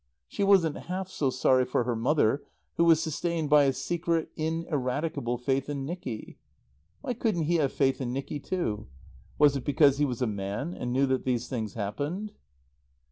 She wasn't half so sorry for her mother who was sustained by a secret, ineradicable faith in Nicky. Why couldn't he have faith in Nicky too? Was it because he was a man and knew that these things happened?